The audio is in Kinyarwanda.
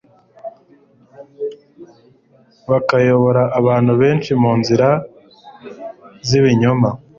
bakayobora abantu benshi mu nzira z'ibinyoma.